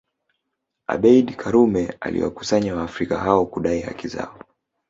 Abeid Karume aliwakusanya waafrika hao kudai haki zao